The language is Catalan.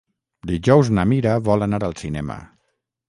Dijous na Mira vol anar al cinema.